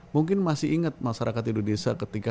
mungkin masih ingat masyarakat indonesia ketika